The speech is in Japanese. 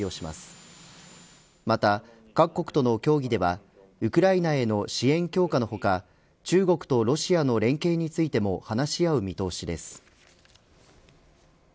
また、各国との協議ではウクライナへの支援強化の他中国とロシアの連携についても話し合う見通しです。